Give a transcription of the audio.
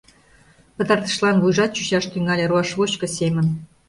Пытартышлан вуйжат чучаш тӱҥале руашвочко семын.